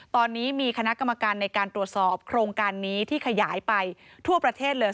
ตอนนี้มีคณะกรรมการในการตรวจสอบโครงการนี้ที่ขยายไปทั่วประเทศเลย